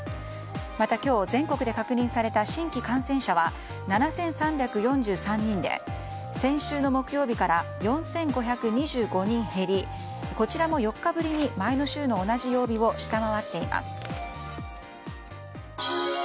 また今日、全国で確認された新規感染者は７３４３人で先週の木曜日から４５２５人減りこちらも４日ぶりに前の週の同じ曜日を下回っています。